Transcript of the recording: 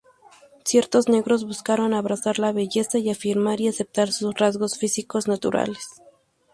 Ciertos negros buscaron abrazar la belleza y afirmar y aceptar sus rasgos físicos naturales.